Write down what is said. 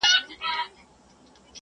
آیا ککړ شوي خواړه د معدې درد پیدا کوي؟